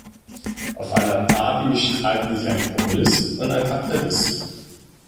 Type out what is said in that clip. Auf einer Party streiten sich ein Kommunist und ein Kapitalist.